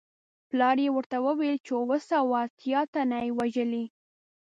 پلار یې ورته وویل چې اووه سوه اتیا تنه یې وژلي.